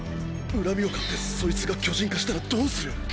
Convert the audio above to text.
恨みを買ってそいつが巨人化したらどうする？